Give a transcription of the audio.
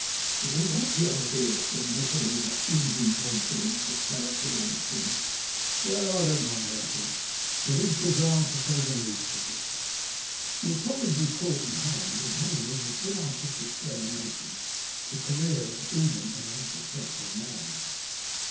'< Tou don't like the idea ?" said Nikola, with that easy nonchalanee which characterised him. ''Well, I don't wonder at it ; it's bizarre, to say the least of it. You would probably be caught and hanged, and hanging is an inartistic termination to the career of even an unsuccessful man.